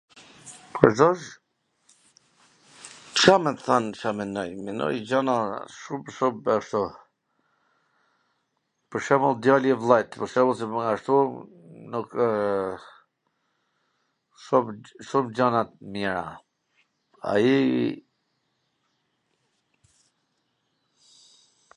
Ca me t than Ca menoj, menoj gjana shum t ashtu... Pwr shwmbull, djali i vllajt, pwr shwmbull, se po t ashtu, nukw... shum gjana t mira, ai...